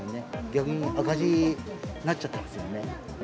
逆に赤字になっちゃってますよね。